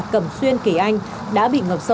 cầm xuống đất nước